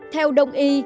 theo đồng ý